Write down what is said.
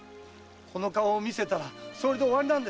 この顔を見せたらそれで終わりなんです。